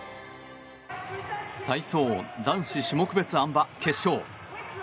体操男子種目別あん馬決勝。